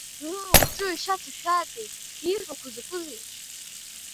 Ыы, уҿы ашьа ҭашәааитеи, ииҳәақәо закәызеи?